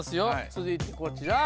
続いてこちら。